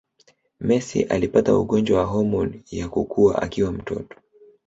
Messi alipata ugonjwa wa homoni ya kukua akiwa mtoto